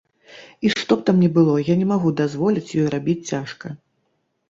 І што б там ні было, я не магу дазволіць ёй рабіць цяжка.